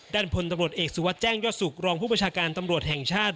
ด้านพลตำรวจเอกสุวัสดิแจ้งยอดสุขรองผู้ประชาการตำรวจแห่งชาติ